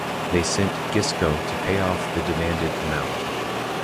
They sent Gisco to pay off the demanded amount.